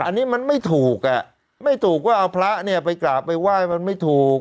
อันนี้มันไม่ถูกอ่ะไม่ถูกว่าเอาพระเนี่ยไปกราบไปไหว้มันไม่ถูก